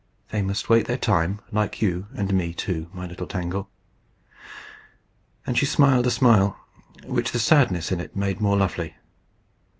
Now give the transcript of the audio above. "They must wait their time, like you and me too, my little Tangle." And she smiled a smile which the sadness in it made more lovely.